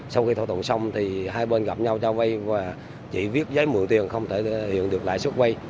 sau khi thỏa thuận xong thì hai bên gặp nhau cho vay và chỉ viết giấy mượn tiền không thể hiện được lãi suất vay